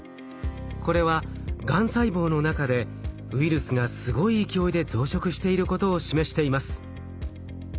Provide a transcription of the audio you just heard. これはがん細胞の中でウイルスがすごい勢いで増殖していることを示しています。